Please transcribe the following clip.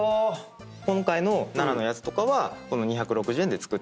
今回の奈良のやつとかはこの２６０円で作ってるはずです。